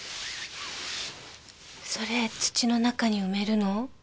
それ土の中に埋めるの？